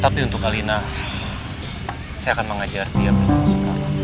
tapi untuk alina saya akan mengajar dia bersama sekali